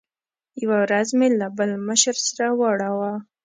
یوه ورځ مې له بل مشر سره واړاوه.